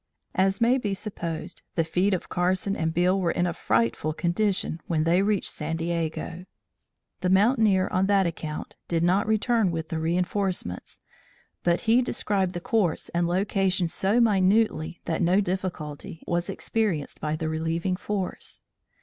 As may be supposed, the feet of Carson and Beale were in a frightful condition, when they reached San Diego. The mountaineer, on that account, did not return with the reinforcements, but he described the course and location so minutely that no difficulty was experienced by the relieving force.